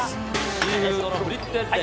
シーフードのフリッテッレ。